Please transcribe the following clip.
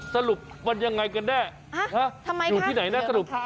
สรุปมันยังไงกันแน่อยู่ที่ไหนนะสรุป